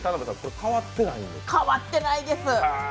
変わってないです。